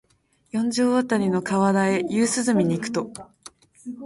四条あたりの河原へ夕涼みに行くと、